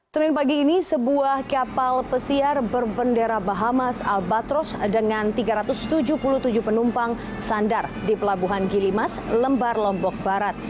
senin pagi ini sebuah kapal pesiar berbendera bahamas albatros dengan tiga ratus tujuh puluh tujuh penumpang sandar di pelabuhan gilimas lembar lombok barat